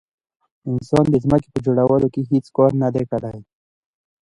انسان د ځمکې په جوړولو کې هیڅ کار نه دی کړی.